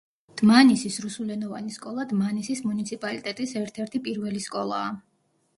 დმანისის რუსულენოვანი სკოლა დმანისის მუნიციპალიტეტის ერთ-ერთი პირველი სკოლაა.